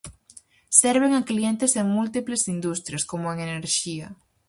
Serven a clientes en múltiples industrias, como en enerxía.